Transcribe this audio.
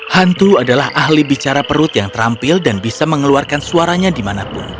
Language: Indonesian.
hantu adalah ahli bicara perut yang terampil dan bisa mengeluarkan suaranya dimanapun